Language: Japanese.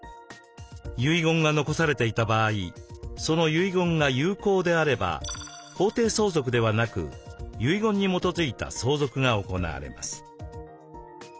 遺言が残されていた場合その遺言が有効であれば法定相続ではなく遺言に基づいた相続が行われます。